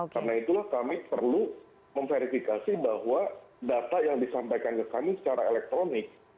karena itulah kami perlu memverifikasi bahwa data yang disampaikan ke kami secara elektronik